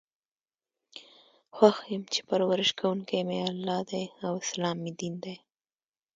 خوښ یم چې پر ورش کوونکی می الله دی او اسلام می دین دی.